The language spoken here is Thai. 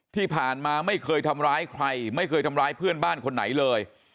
ที่ผ่านมาไม่เคยทำร้ายใครไม่เคยทำร้ายเพื่อนบ้านคนไหนเลย